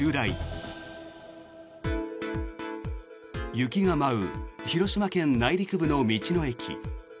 雪が舞う広島県内陸部の道の駅。